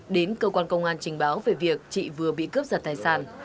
đến cơ quan công an trình báo về việc chị vừa bị cướp giật tài sản